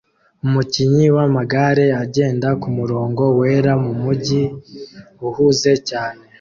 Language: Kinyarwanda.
Umukinnyi wamagare agenda kumurongo wera mumujyi uhuze cyane